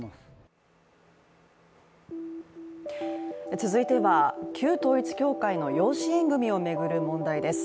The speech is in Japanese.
続いては旧統一教会の養子縁組を巡る問題です